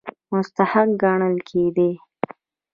مستحق ګڼل کېدی.